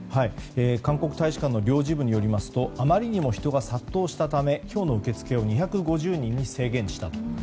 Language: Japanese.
韓国大使館の領事部によりますとあまりにも人が殺到したため今日の受け付けを２５０人に制限したと。